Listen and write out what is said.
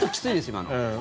今の。